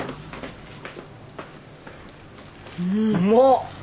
うまっ。